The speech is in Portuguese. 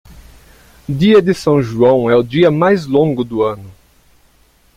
O Dia de São João é o dia mais longo do ano.